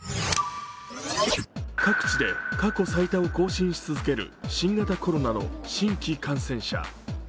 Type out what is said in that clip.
各地で過去最多を更新し続ける新型コロナの新規感染者。